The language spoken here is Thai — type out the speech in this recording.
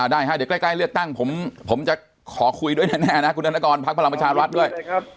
ได้ฮะเดี๋ยวใกล้เลือกตั้งผมจะขอคุยด้วยแน่นะคุณธนกรพักพลังประชารัฐด้วย